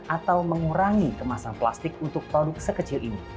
atau mengurangi kemasan plastik untuk produk sekecil ini